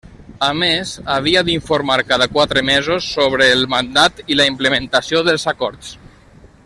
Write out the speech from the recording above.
A més, havia d'informar cada quatre mesos sobre el mandat i la implementació dels acords.